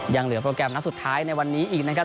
ยังเหลือโปรแกรมนัดสุดท้ายในวันนี้อีกนะครับ